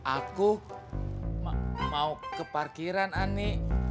aku mau ke parkiran ani